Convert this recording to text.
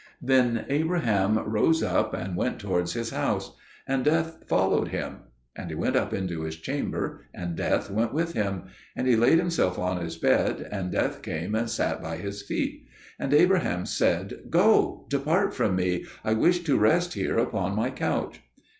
Then Abraham rose up and went towards his house: and Death followed him. And he went up into his chamber: and Death went with him; and he laid himself on his bed: and Death came and sat by his feet. And Abraham said, "Go, depart from me: I wish to rest here on my couch."